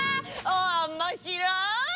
おもしろい！